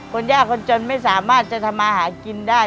คนยากคนจนไม่สามารถจะทำมาหากินได้